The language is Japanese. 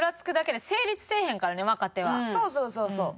そうそうそうそう。